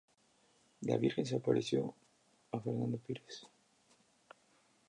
La Virgen se apareció a Fernando Pires.